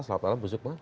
selamat malam bu sukma